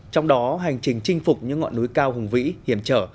trong đó hành trình chinh phục những ngọn núi cao hùng vĩ hiểm trở